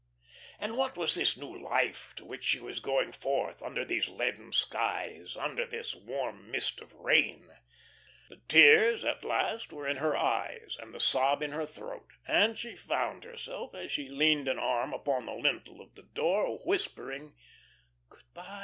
And what was this new life to which she was going forth, under these leaden skies, under this warm mist of rain? The tears at last were in her eyes, and the sob in her throat, and she found herself, as she leaned an arm upon the lintel of the door, whispering: "Good by.